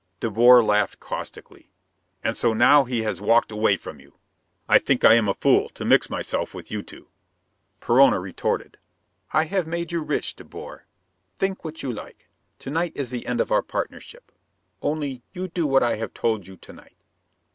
De Boer laughed caustically. "And so he has walked away from you? I think I am a fool to mix myself with you two." Perona retorted, "I have made you rich, De Boer. Think what you like; to night is the end of our partnership. Only, you do what I have told you to night."